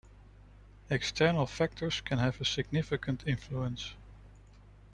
External factors can have a significant influence.